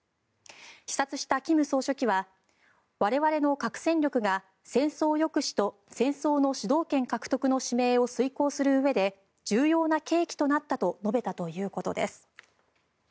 視察した金総書記は我々の核戦力が戦争抑止と戦争の主導権獲得の使命を遂行するうえで重要な契機となったと述べたということです。